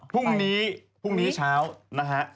พรุ่งนี้เช้านะฮะ